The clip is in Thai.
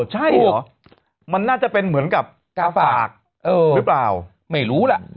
ใช่เหรอมันน่าจะเป็นเหมือนกับกาฝากหรือเปล่าไม่รู้ล่ะ